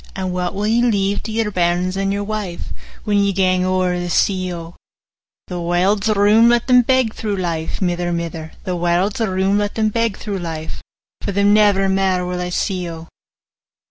And what will ye leave to your bairns and your wife, When ye gang owre the sea, O?' 'The warld's room: let them beg through life, 45 Mither, mither; The warld's room: let them beg through life; For them never mair will I see, O.